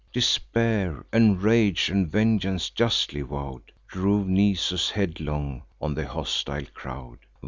Despair, and rage, and vengeance justly vow'd, Drove Nisus headlong on the hostile crowd.